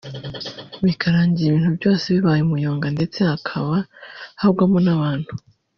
bikarangira ibintu byose bibaye umuyonga ndetse hakaba hagwamo n’abantu